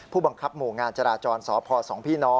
ผู้บังคับหมู่งานจราจรสพสพ